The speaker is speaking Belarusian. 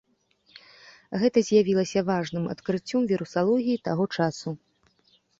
Гэта з'явілася важным адкрыццём вірусалогіі таго часу.